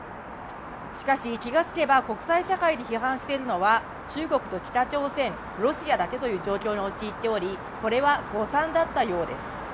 しかし、気がつけば国際社会で批判しているのは中国と北朝鮮、ロシアだけという状況に陥っておりこれは誤算だったようです。